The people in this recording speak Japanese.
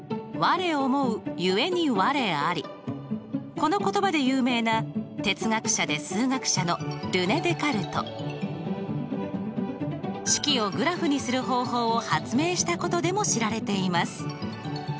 この言葉で有名な哲学者で数学者の式をグラフにする方法を発明したことでも知られています。